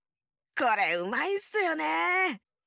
これうまいんすよね。